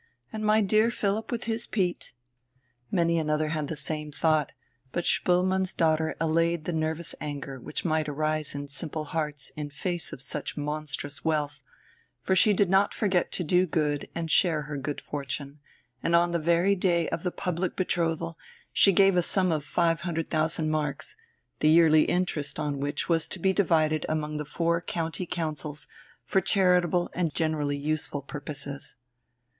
"And my dear Philipp with his peat." Many another had the same thought; but Spoelmann's daughter allayed the nervous anger which might arise in simple hearts in face of such monstrous wealth, for she did not forget to do good and share her good fortune, and on the very day of the public betrothal she gave a sum of 500,000 marks, the yearly interest on which was to be divided among the four county councils for charitable and generally useful purposes.